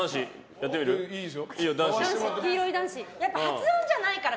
やってみる？発音じゃないから。